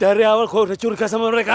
dari awal kok udah curiga sama mereka